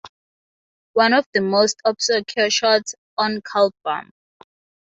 One of the most obscure shorts on KaBlam!